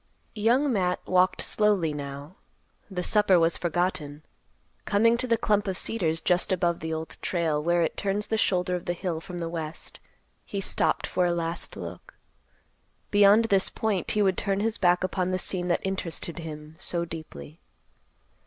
Young Matt walked slowly now. The supper was forgotten. Coming to the clump of cedars just above the Old Trail where it turns the shoulder of the hill from the west, he stopped for a last look. Beyond this point, he would turn his back upon the scene that interested him so deeply.